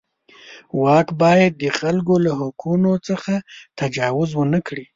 واک باید د خلکو له حقونو څخه تجاوز ونه کړي.